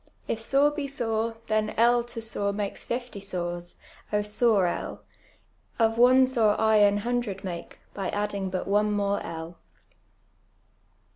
If sore be .sore, llien L to sore makes fifty sores, () .sore L! Of one sore I aii hundred make, by adding but one more L."